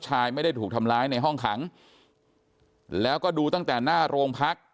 ชายไม่ได้ถูกทำร้ายในห้องขังแล้วก็ดูตั้งแต่หน้าโรงพัก